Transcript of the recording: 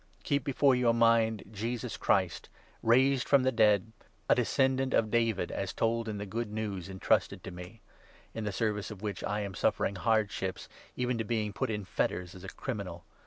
Keep before your mind Jesus 8 Christ, raised from the dead, a descendant of David, as told in the Good News entrusted to me ; in the service of which I am 9 suffering hardships, even to being put in fetters as a criminal.